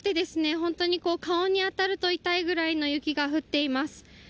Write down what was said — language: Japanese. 本当に顔に当たると痛いくらいの雪が降っています。